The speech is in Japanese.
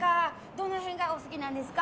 どの辺がお好きなんですか？